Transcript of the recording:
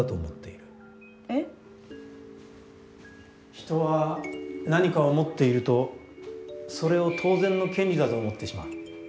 人は何かを持っているとそれを当然の権利だと思ってしまう。